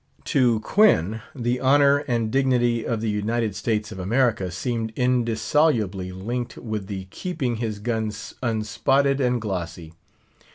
To Quoin, the honour and dignity of the United States of America seemed indissolubly linked with the keeping his guns unspotted and glossy.